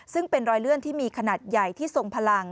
ซึ่งเป็นรอยเลื่อนที่มีขนาดใหญ่ที่ทรงพลัง